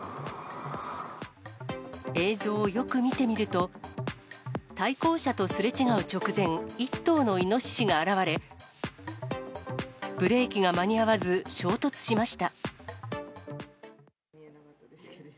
映像をよく見てみると、対向車とすれ違う直前、１頭のイノシシが現れ、ブレーキが間に合わず衝突しました。